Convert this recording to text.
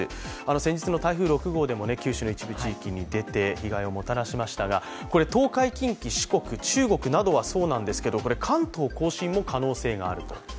先日の台風６号でも九州の一部地域に出て被害をもたらしましたがこれ東海、近畿、四国中国などはそうなんですけど関東甲信も可能性があると。